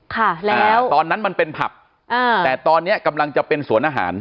ค่ะแล้วตอนนั้นมันเป็นผับอ่าแต่ตอนเนี้ยกำลังจะเป็นสวนอาหาร